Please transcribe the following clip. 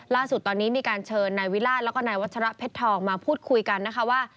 ล่าสุดตอนนี้มีการเชิญนายวิราชแล้วก็นายวัชระเพชรทองมาพูดคุยกันนะคะว่า